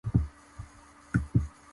案外オモシロイかもしれん